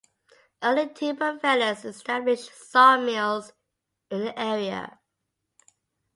Early timber fellers established sawmills in the area.